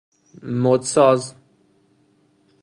مدساز